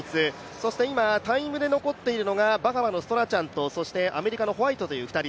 そして今、タイムで残っているのがバハマのストラチャンとそしてアメリカのホワイトという２人。